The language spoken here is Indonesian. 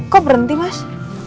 kok berhenti mas